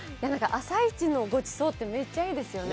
朝イチのごちそうってめっちゃいいですよね。